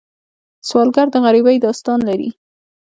سوالګر د غریبۍ داستان لري